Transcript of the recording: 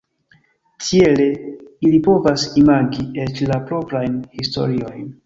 Tiele ili povas imagi eĉ la proprajn historiojn.